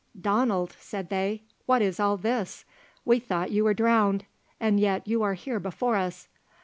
"Donald," said they, "what is all this? We thought you were drowned, and yet you are here before us."